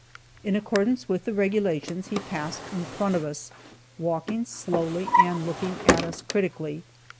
In accordance with the regulations, he passed in front of us, walking slowly and looking at us critically.